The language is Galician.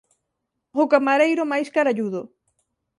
O camareiro máis caralludo...